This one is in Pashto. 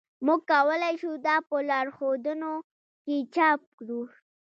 موږ کولی شو دا په لارښودونو کې چاپ کړو